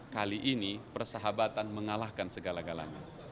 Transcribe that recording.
kali ini persahabatan mengalahkan segala galanya